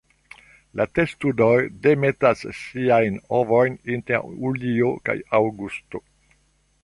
La testudoj demetas siajn ovojn inter julio kaj aŭgusto.